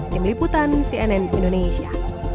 tim liputan cnn indonesia